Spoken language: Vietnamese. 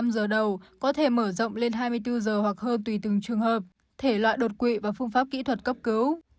một mươi giờ đầu có thể mở rộng lên hai mươi bốn giờ hoặc hơn tùy từng trường hợp thể loại đột quỵ và phương pháp kỹ thuật cấp cứu